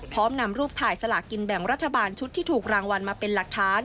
พร้อมนำรูปถ่ายสลากกินแบ่งรัฐบาลชุดที่ถูกรางวัลมาเป็นหลักฐาน